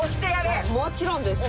もちろんです。